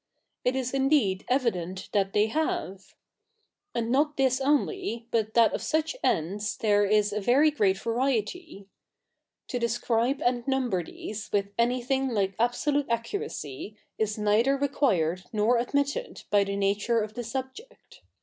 It is indeed evident that they have. And 7iot this only, but that of such ends there is a ve7y great va7'iety. To describe and nu77iber these with a7iythi7ig like absolute accuracy is 7ieither required nor ad77iitted by the natu7 e of the stibject.